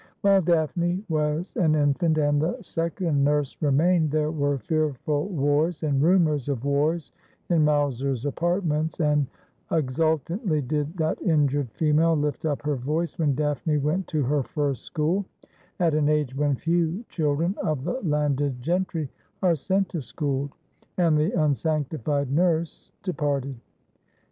While Daphne was an infant, and the second nurse remained, there were fearful wars and rumours of wars in Mowser's apartments, and exultantly did that injured female lift up her voice when Daphne went to her first school— at an age when few children of the landed gentry are sent to school — and the unsanctified nurse departed.